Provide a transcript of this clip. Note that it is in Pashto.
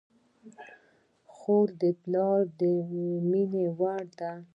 خور د پلار د مینې وړ ده.